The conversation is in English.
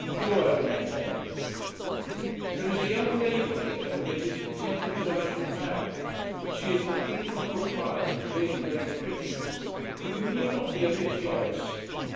Your own F. N. There is a young lady here whom it is intended that I shall marry. She is the pink of propriety and really very pretty; but you need not be a bit jealous.